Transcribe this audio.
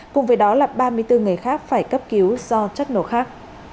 cùng với đó là ba mươi bốn người khác phải cấp cứu do chất nổ khác